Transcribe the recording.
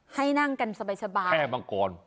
ให้นั่งกันสบายแค่มังกร